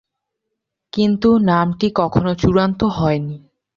কিন্তু নামটি কখনো চূড়ান্ত হয়নি।